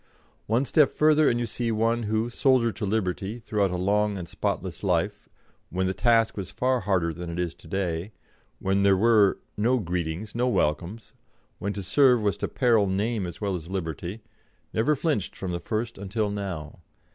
One step further, and you see one who, soldier to liberty, throughout a long and spotless life, when the task was far harder than it is to day, when there were no greetings, no welcomes, when to serve was to peril name as well as liberty, never flinched from the first until now.